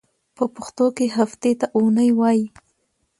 په پښتو کې هفتې ته اونۍ وایی.